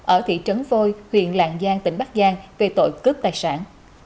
ở thị trấn vôi huyện lạng giang tỉnh bắc giang về tội cướp tài sản